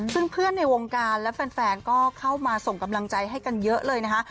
ซึ่งเพื่อนในวงการและแฟนก็เข้ามาส่งกำลังใจให้กันเยอะเลยนะคะ